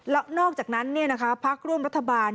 แล้วนอกจากนั้นพักร่วมรัฐบาล